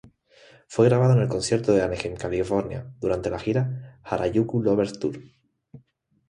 Fue grabado en el concierto de Anaheim, California, durante la gira "Harajuku Lovers Tour".